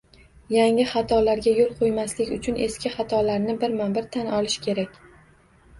Yangi xatolarga yo'l qo'ymaslik uchun eski xatolarni birma -bir tan olish kerak